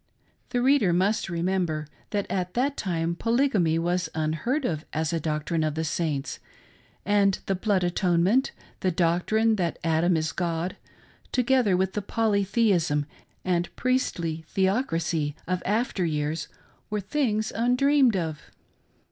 The reader must remember that at that time polygamy was unheard of as a doctrine of the Saints, and the blood atonement, the doctrine that Adam is God, together with the polytheism and priestly theocracy of after years were things undreamed of.